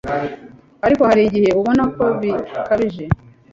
ariko hari igihe ubona ko bikabije